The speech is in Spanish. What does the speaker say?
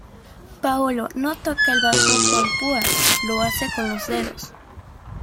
Paolo no toca el bajo con púa, lo hace con los dedos.